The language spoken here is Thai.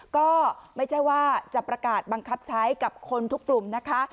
ก็ไม่ใช่ว่าจะประกาศบังคับใช้กับคนทุกกลุ่มนะคะ